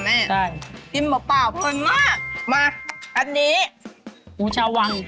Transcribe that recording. หมูเหรอแม่มันเป็นหมูใช่ป่ะ